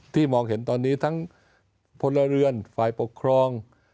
มองเห็นตอนนี้ทั้งพลเรือนฝ่ายปกครอง